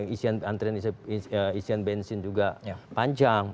isian antrian isian bensin juga panjang